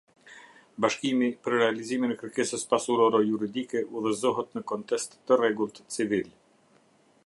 Bashkimi, për realizimin e kërkesës pasuroro juridike udhëzohet në kontest të rregullt civil.